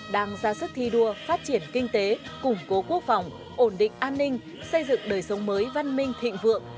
đang ra sức thi đua phát triển kinh tế củng cố quốc phòng ổn định an ninh xây dựng đời sống mới văn minh thịnh vượng